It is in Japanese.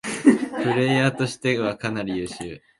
プレイヤーとしてはかなり優秀